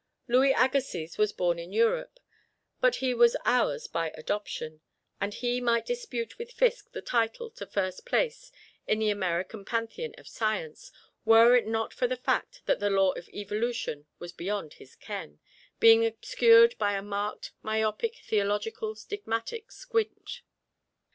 Louis Agassiz was born in Europe, but he was ours by adoption, and he might dispute with Fiske the title to first place in the American Pantheon of Science, were it not for the fact that the Law of Evolution was beyond his ken, being obscured by a marked, myopic, theological, stigmatic squint.